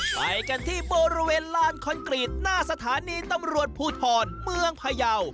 ไปกันที่บริเวณลานคอนกรีตหน้าสถานีตำรวจภูทรเมืองพยาว